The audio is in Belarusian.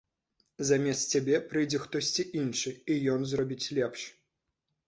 Замест цябе прыйдзе хтосьці іншы, і ён зробіць лепш.